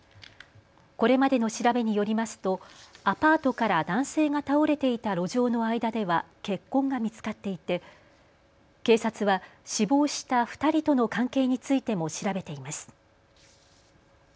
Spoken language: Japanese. これまでの調べによりますとアパートから男性が倒れていた路上の間では血痕が見つかっていて警察は死亡した２人との関係についても調べています。